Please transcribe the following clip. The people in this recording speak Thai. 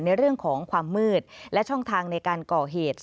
ในเรื่องของความมืดและช่องทางในการก่อเหตุ